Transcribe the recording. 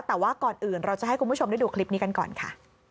แต่ว่าก่อนอื่นเราจะให้คุณผู้ชมได้ดูคลิปนี้กันก่อนค่ะ